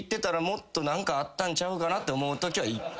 もっと何かあったんちゃうかなって思うときは。